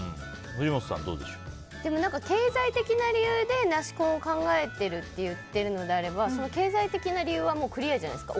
経済的な理由でナシ婚を考えてるって言ってるのであればその経済的な理由はクリアじゃないですか。